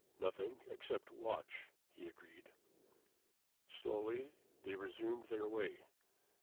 "Nothing except watch," he agreed. Slowly, they resumed their way.